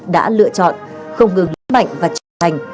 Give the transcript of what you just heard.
đã lựa chọn không ngừng lãnh mạnh và trở thành